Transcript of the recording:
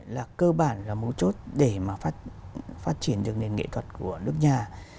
là cơ bản là mối chốt để phát triển được nền nghệ thuật của nước nhà